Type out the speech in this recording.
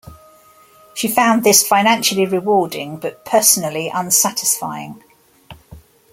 She found this financially rewarding, but personally unsatisfying.